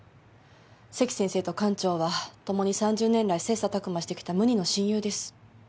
関先生と館長はともに３０年来切磋琢磨してきた無二の親友です。